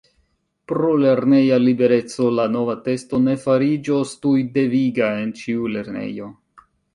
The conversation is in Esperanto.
Pro lerneja libereco la nova testo ne fariĝos tuj deviga en ĉiu lernejo.